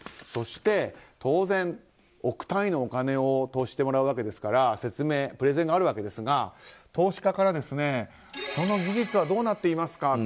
そして当然、億単位のお金を投資してもらうわけですから説明、プレゼンがあるわけですが投資家からその技術はどうなっていますか？